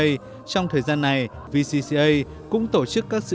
trong thời gian này vcca cũng tổ chức các sản phẩm